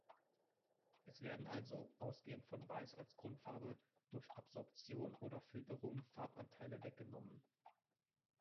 Es werden also, ausgehend von Weiß als Grundfarbe, durch Absorption oder Filterung Farbanteile weggenommen.